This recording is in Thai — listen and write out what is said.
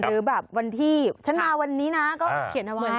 หรือแบบวันที่ฉันมาวันนี้นะก็เขียนเอาไว้